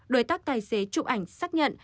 đối tác tài xế trụ ảnh xác nhận